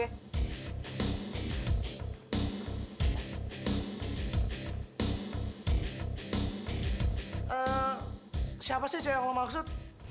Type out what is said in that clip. eee siapa sih aja yang lo maksud